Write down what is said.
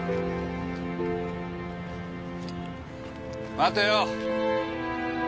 待てよ！